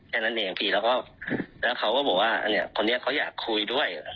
แค่นั้นเองพี่แล้วก็แล้วเขาก็บอกว่าเนี่ยคนนี้เขาอยากคุยด้วย